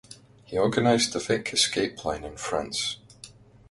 He organised the Vic escape line in France.